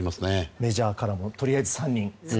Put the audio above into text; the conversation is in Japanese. メジャーからもとりあえず３人と。